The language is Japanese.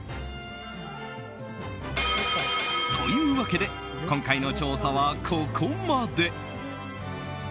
というわけで今回の調査はここまで。